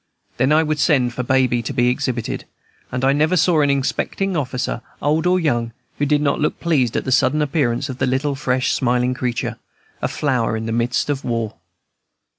Then I would send for Baby to be exhibited, and I never saw an inspecting officer, old or young, who did not look pleased at the sudden appearance of the little, fresh, smiling creature, a flower in the midst of war.